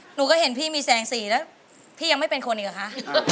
หนูก็เห็นพี่มีแสงสีแล้วพี่ยังไม่เป็นคนอีกเหรอคะ